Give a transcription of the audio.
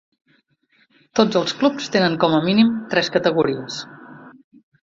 Tots els clubs tenen com a mínim tres categories.